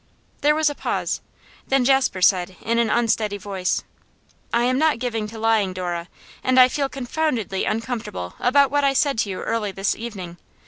There was a pause; then Jasper said in an unsteady voice: 'I am not given to lying, Dora, and I feel confoundedly uncomfortable about what I said to you early this evening.